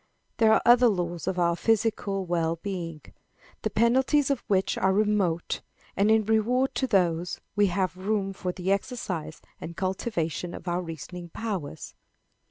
There are other laws of our physical well being, the penalties of which are remote, and in regard to those we have room for the exercise and cultivation of our reasoning powers.